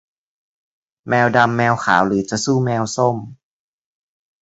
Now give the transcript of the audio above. แมวดำแมวขาวหรือจะสู้แมวส้ม